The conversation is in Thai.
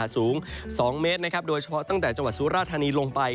สูง๒เมตรนะครับโดยเฉพาะตั้งแต่จังหวัดสุราธานีลงไป